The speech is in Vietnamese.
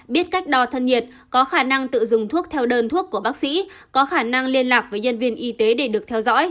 biết cách đo thân nhiệt có khả năng tự dùng thuốc theo đơn thuốc của bác sĩ có khả năng liên lạc với nhân viên y tế để được theo dõi